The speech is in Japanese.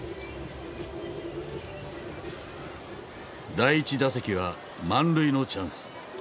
第１打席は満塁のチャンス。